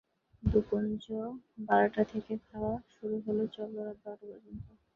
দুপুঞ্জ বারটা থেকে খাওয়া শুরু হল, চলল রাত বারটা পর্যন্ত।